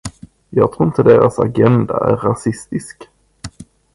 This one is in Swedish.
Jag tror inte att deras agenda är rasistisk.